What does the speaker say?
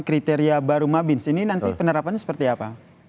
kriteria baru mabins ini nanti penerapannya seperti apa